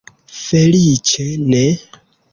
Feliĉe ne.